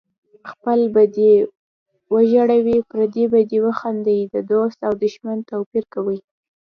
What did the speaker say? خپل به دې وژړوي پردی به دې وخندوي د دوست او دښمن توپیر کوي